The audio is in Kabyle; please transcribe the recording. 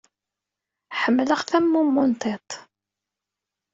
Ḥemmleɣ-t am mummu n tiṭ.